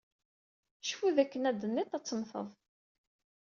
Cfu dakken adennit ad temmted.